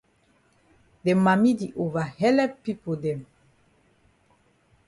De mami di ova helep pipo dem.